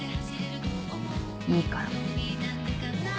いいから。